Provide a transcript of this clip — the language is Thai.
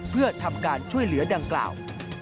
เพื่อทำการช่วยเหลือดังกล่าว